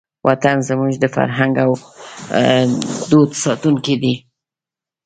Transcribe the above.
وطن زموږ د فرهنګ او دود ساتونکی دی.